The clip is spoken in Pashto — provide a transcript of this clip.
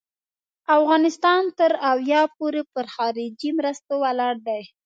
افغانستان تر اویا پوري پر خارجي مرستو ولاړ دی.